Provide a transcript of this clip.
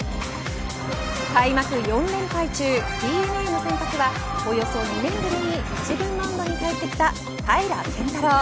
開幕４連敗中ＤｅＮＡの先発はおよそ２年ぶりに１軍マウンドに帰ってきた平良拳太郎。